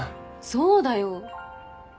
そうだよ。